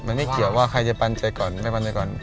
มันไม่เกี่ยวว่าใครจะปันใจก่อนไม่ปันใจก่อน